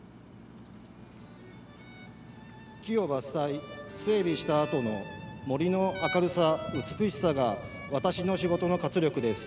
木を伐採、整備したあとの森の明るさ、美しさが私の仕事の活力です。